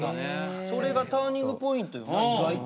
それがターニングポイントよな意外と。